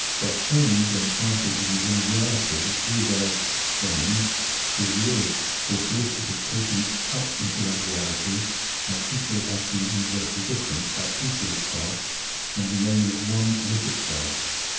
But change, when planted in the inner reality as it [change] truly is, forthwith is taken up into that reality as equally absolute universal difference at peace with itself, and remaining at one with itself.